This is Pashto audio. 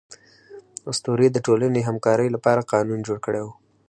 اسطورې د ټولنې همکارۍ لپاره قانون جوړ کړی و.